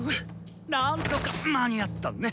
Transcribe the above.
なんとか間に合ったネ！